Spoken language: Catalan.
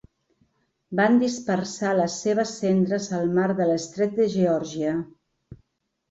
Van dispersar les seves cendres al mar de l'estret de Geòrgia.